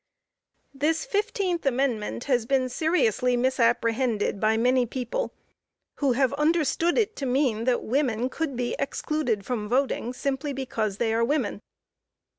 This fifteenth Amendment has been seriously misapprehended by many people, who have understood it to mean that women could be excluded from voting, simply because they are women.